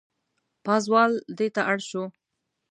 پازوال دېته اړ شو.